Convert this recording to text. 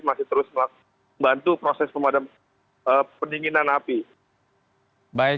masih terus membantu proses pemadam pendinginan api